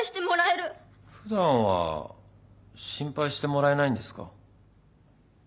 普段は心配してもらえないんですか？